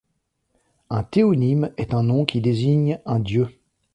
Un théonyme est un nom qui désigne un dieu.